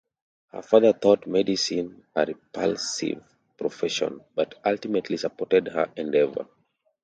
Her father thought medicine a "repulsive" profession, but ultimately supported her endeavor.